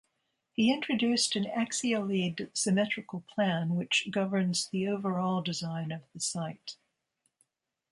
He introduced an axially symmetrical plan which governs the overall design of the site.